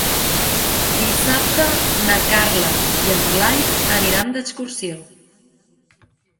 Dissabte na Carla i en Blai aniran d'excursió.